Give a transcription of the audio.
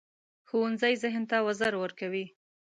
ښوونځی ذهن ته وزر ورکوي